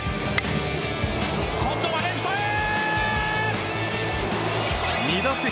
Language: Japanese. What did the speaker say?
今度はレフトへ！